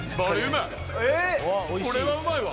これはうまいわ。